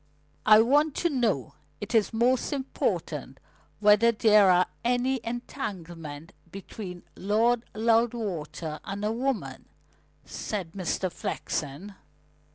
"I want to know it is most important whether there was any entanglement between Lord Loudwater and a woman," said Mr. Flexen.